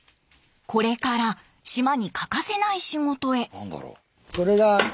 これから島に欠かせない仕事へ。